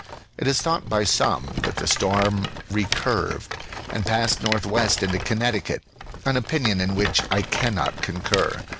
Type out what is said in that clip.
It is thought by some that the storm re curved and passed northwest into Connecticut; an opinion in which I cannot concur.